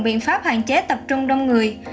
biện pháp hạn chế tập trung đông người